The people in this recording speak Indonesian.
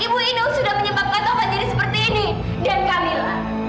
ibu ini sudah menyebabkan